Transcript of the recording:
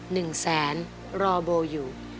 หนึ่งแสนรอโบอยู่